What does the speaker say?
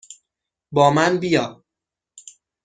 با من بیا!